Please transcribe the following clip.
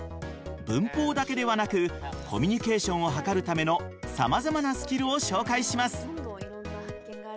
文法だけではなくコミュニケーションをはかるためのさまざまなスキルを紹介します。